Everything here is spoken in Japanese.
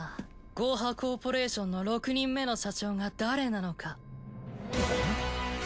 ゴーハ・コーポレーションの６人目の社長が誰なのか。